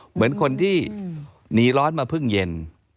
เหมือนคนที่หนีร้อนมาเพิ่งเย็น